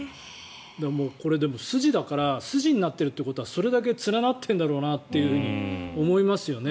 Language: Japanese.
これ、でも筋だから筋になっているってことはそれだけ連なっているんだろうなって思いますよね。